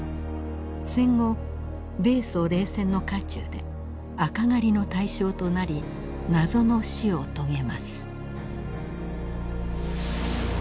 戦後米ソ冷戦の渦中で赤狩りの対象となり謎の死を遂げます。